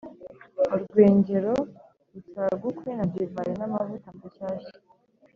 urwengero rusagukwe na divayi n’amavuta mashyashya.